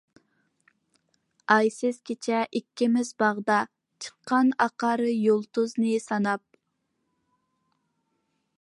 ئايسىز كېچە ئىككىمىز باغدا، چىققان ئاقار يۇلتۇزنى ساناپ.